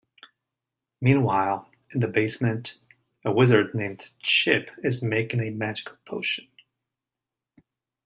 Meanwhile, in the basement, a wizard named Chip is making a magical potion.